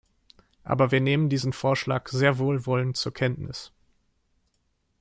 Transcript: Aber wir nehmen diesen Vorschlag sehr wohlwollend zur Kenntnis.